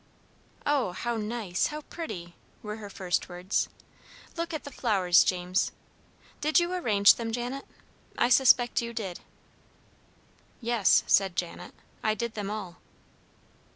"Oh, how nice, how pretty!" were her first words. "Look at the flowers, James! Did you arrange them, Janet? I suspect you did." "Yes," said Janet; "I did them all."